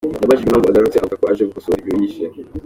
Yabajijwe impamvu agarutse avuga ko aje gukosora ibyo yishe.